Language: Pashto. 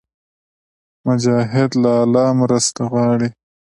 مجاهد له الله مرسته غواړي.